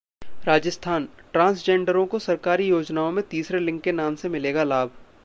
राजस्थान: ट्रांसजेंडरों को सरकारी योजनाओं में तीसरे लिंग के नाम से मिलेगा लाभ